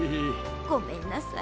ごめんなさい。